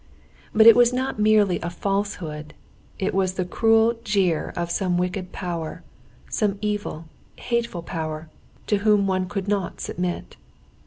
But it was not merely a falsehood, it was the cruel jeer of some wicked power, some evil, hateful power, to whom one could not submit.